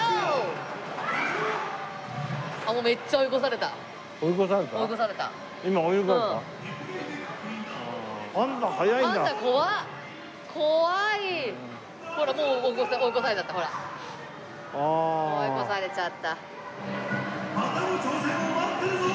追い越されちゃった。